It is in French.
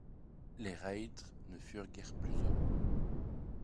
Les reîtres ne furent guère plus heureux.